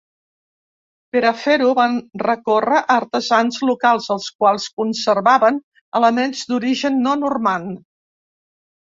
Per a fer-ho, van recórrer a artesans locals, els quals conservaven elements d'origen no normand.